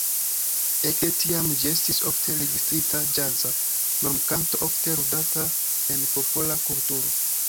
Ekde tiam ĝi estis ofte registrita ĵaza normkanto ofte ludata en popola kulturo.